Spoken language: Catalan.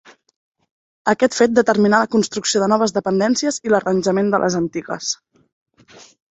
Aquest fet determinà la construcció de noves dependències i l'arranjament de les antigues.